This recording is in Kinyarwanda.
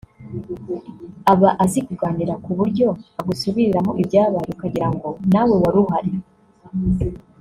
aba azi kuganira ku buryo agusubiriramo ibyabaye ukagira ngo nawe wari uhari